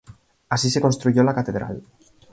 Así se construyó la catedral.